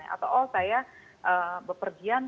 atau saya berpergian